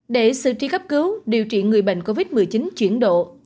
để sự tri cấp cứu điều trị người bệnh covid một mươi chín chuyển độ